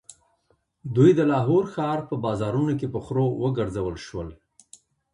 دوی د لاهور ښار په بازارونو کې په خرو وګرځول شول.